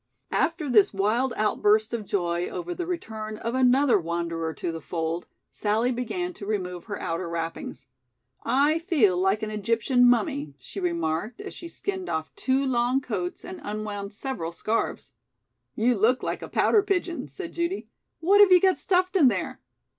'" After this wild outburst of joy over the return of another wanderer to the fold, Sallie began to remove her outer wrappings. "I feel like an Egyptian mummy," she remarked as she skinned off two long coats and unwound several scarfs. "You look like a pouter pigeon," said Judy, "what have you got stuffed in there?"